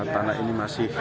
tanah ini masih